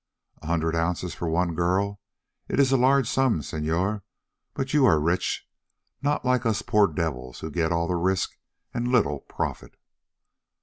"A hundred ounces for one girl! It is a large sum, senor, but you are rich. Not like us poor devils who get all the risk and little profit."